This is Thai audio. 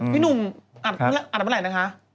พี่หนุ่มอัดเป็นไหนด้วยคะ